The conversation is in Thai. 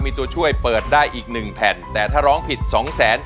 มีตัวช่วยเปิดได้อีก๑แผ่น